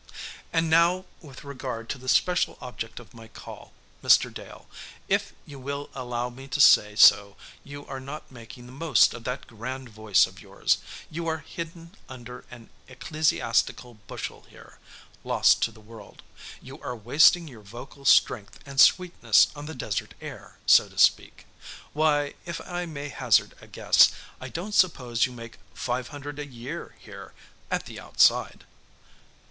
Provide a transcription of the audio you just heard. "And now, with regard to the special object of my call, Mr. Dale. If you will allow me to say so, you are not making the most of that grand voice of yours; you are hidden under an ecclesiastical bushel here lost to the world. You are wasting your vocal strength and sweetness on the desert air, so to speak. Why, if I may hazard a guess, I don't suppose you make five hundred a year here, at the outside?"